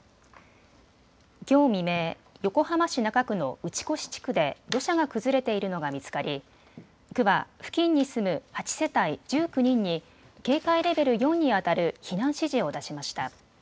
きょう未明、横浜市中区の打越地区で土砂が崩れているのが見つかり区は付近に住む８世帯１９人に警戒レベル４にあたる避難指示を出しました。